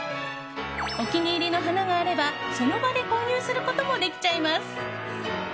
お気に入りの花があればその場で購入することもできちゃいます。